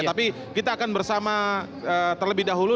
tapi kita akan bersama terlebih dahulu